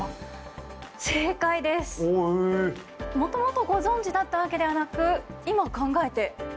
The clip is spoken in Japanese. もともとご存じだったわけではなく今考えて？